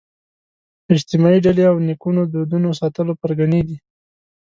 اجتماعي ډلې او نیکونو دودونو ساتلو پرګنې دي